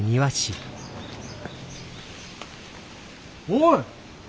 おい！